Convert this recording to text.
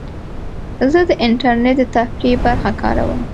زه د انټرنیټ د تفریح برخه کاروم.